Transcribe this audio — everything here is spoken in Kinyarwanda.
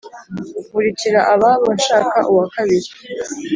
nkurikira ababo nshaka uwa kabiri